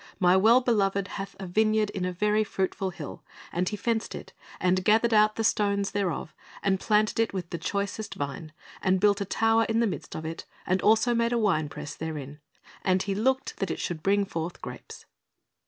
My well beloved hath a ( 284 ) Based on Matt. 21 : 33 44 The Lord's ]^i)icyard 285 wneyard in a very fruitful hill; and He fenced it, and gathered out the stones thereof, and planted it with the choicest vine, and built a tower in the midst of it, and also made a wine press therein; and He looked that it should bring forth grapes."